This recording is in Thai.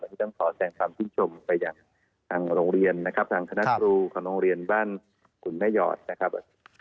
อันนี้ต้องขอแสงความชื่นชมไปอย่างทางโรงเรียนนะครับทางคณะครูของโรงเรียนบ้านขุนแม่หยอดนะครับ